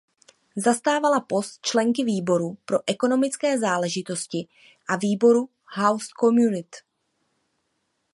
Zastávala post členky výboru pro ekonomické záležitosti a výboru House Committee.